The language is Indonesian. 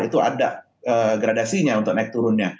itu ada gradasinya untuk naik turunnya